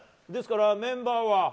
メンバーは。